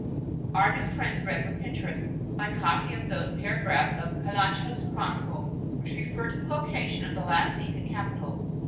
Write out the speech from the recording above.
Our new friends read with interest my copy of those paragraphs of Calaucha's "Chronicle" which referred to the location of the last Inca capital.